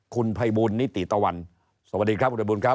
คุณภัยบุญนิติตะวันสวัสดีครับอุธยบุญครับ